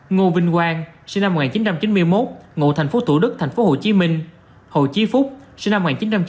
ngô vinh quang sinh năm một nghìn chín trăm chín mươi một ngụ tp thủ đức tp hcm hồ chí phúc sinh năm một nghìn chín trăm chín mươi